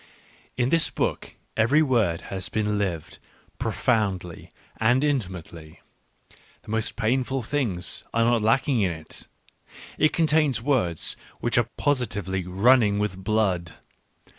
— In this book every word has been lived, profoundly and intimately ; the most painful things are not lacking in it; it contains words which are positively running with blood.